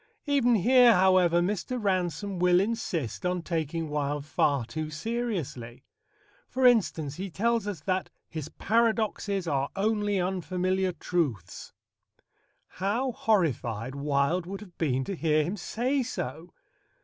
Even here, however, Mr. Ransome will insist on taking Wilde far too seriously. For instance, he tells us that "his paradoxes are only unfamiliar truths." How horrified Wilde would have been to hear him say so!